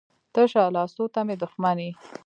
تشه لاسو ته مې دښمن یې.